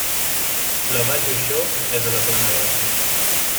La Vall d'Uixó és a la Plana Baixa.